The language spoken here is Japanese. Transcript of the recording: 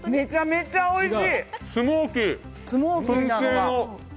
めちゃめちゃおいしい！